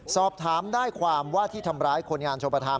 สอบถามได้ความว่าที่ทำร้ายคนงานชมประธาน